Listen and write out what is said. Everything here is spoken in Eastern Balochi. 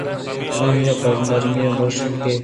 آئی ءَپہ نرمی ءَ گوٛشت کہ